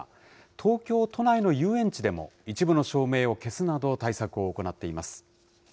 東京都内の遊園地でも、一部の照明を消すなど対策を行っています。